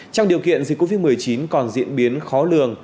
trong điều kiện dịch covid một mươi chín còn diễn biến khó lường